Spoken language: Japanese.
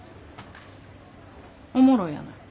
おもろいやない。